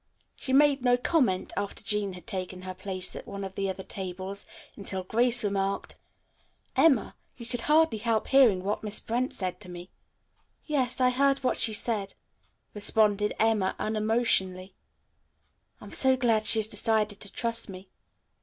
She made no comment, after Jean had taken her place at one of the other tables, until Grace remarked, "Emma, you could hardly help hearing what Miss Brent said to me." "Yes, I heard what she said," responded Emma unemotionally. "I am so glad she has decided to trust me."